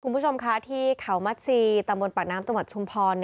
คุณผู้ชมค่ะที่เขามัดซีตำบลปากน้ำจังหวัดชุมพร